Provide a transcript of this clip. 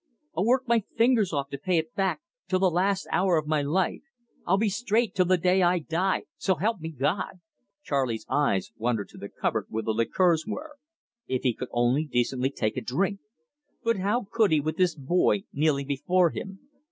I'll work my fingers off to pay it back till the last hour of my life. I'll be straight till the day I die so help me God!" Charley's eyes wandered to the cupboard where the liqueurs were. If he could only decently take a drink! But how could he with this boy kneeling before him?